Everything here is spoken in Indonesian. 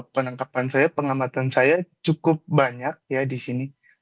penangkapan saya pengamatan saya cukup banyak ya di sini